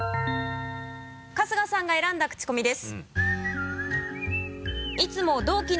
春日さんが選んだクチコミです。